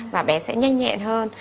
và bé sẽ nhanh nhẹn hơn